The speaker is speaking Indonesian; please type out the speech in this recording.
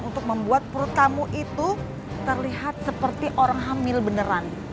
untuk membuat perut kamu itu terlihat seperti orang hamil beneran